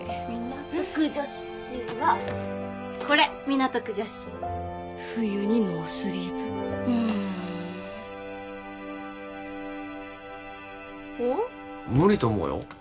港区女子はこれ港区女子冬にノースリーブふーんおっ無理と思うよ